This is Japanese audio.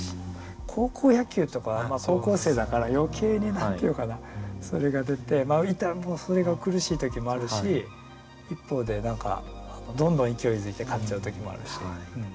高校野球とか高校生だから余計に何て言うかなそれが出てそれが苦しい時もあるし一方で何かどんどん勢いづいて勝っちゃう時もあるし。